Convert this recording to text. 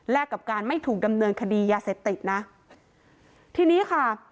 และกับการไม่ถูกดำเนินคดียาเสพติดนะทีนี้ค่ะ